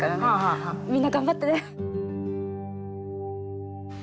みんな頑張ってね。